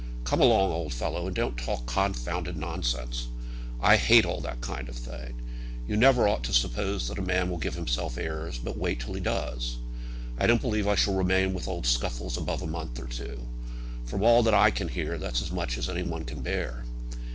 Come along, old fellow, and don't talk confounded nonsense. I hate all that kind of thing. You never ought to suppose that a man will give himself airs, but wait till he does. I don't believe I shall remain with old Scuffles above a month or two. From all that I can hear that's as much as any one can bear."